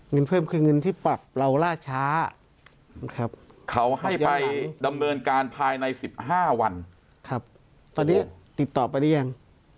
เงินเพิ่มคือเงินที่ปรับเราล่าช้าเขาให้ไปดำเนินการภายใน๑๕วันตอนนี้ติดต่อไปหรือยัง